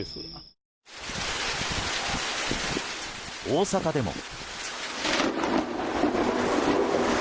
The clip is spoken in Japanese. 大阪でも。